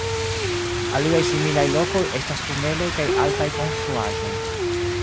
Aliaj similaj lokoj estas tuneloj kaj altaj konstruaĵoj.